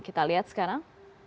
kita lihat sekarang